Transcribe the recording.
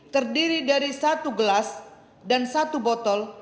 terdiri dari satu gelas dan satu botol